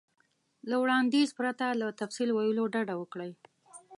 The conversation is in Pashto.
له وړاندیز پرته له تفصیل ویلو ډډه وکړئ.